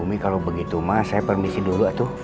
umi kalau begitu ma saya permisi dulu atuh